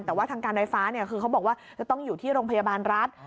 แต่ว่าทางการไฟฟ้าคือเขาบอกว่าจะต้องอยู่ที่โรงพยาบาลรัฐ